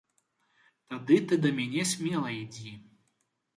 Тады ты да мяне смела ідзі.